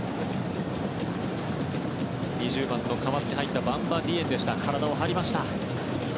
２０番代わって入ったバンバ・ディエンが体を張りました。